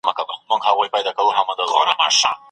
خلک به زموږ په ساده ګۍ پورې په کوڅو کې خاندي.